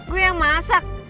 gue yang masak